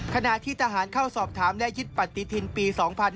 ขณะที่ทหารเข้าสอบถามและยึดปฏิทินปี๒๕๕๙